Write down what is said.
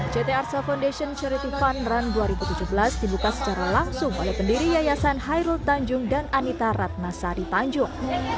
ct arsa foundation charity fund run dua ribu tujuh belas dibuka secara langsung oleh pendiri yayasan hairul tanjung dan anita ratnasari tanjung